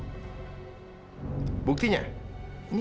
hai buktinya ini